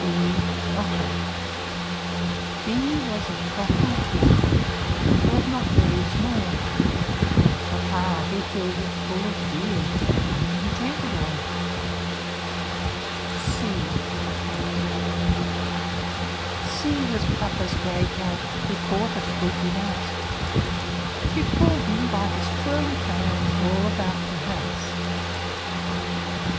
B B was a Bottle blue, Which was not very small; Papa he filled it full of beer, And then he drank it all. C C was Papa's gray Cat, Who caught a squeaky Mouse; She pulled him by his twirly tail All about the house.